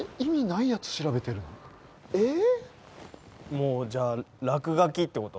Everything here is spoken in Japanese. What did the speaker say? もうじゃ落書きってこと？